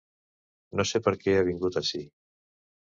No sé perquè ha vingut ací...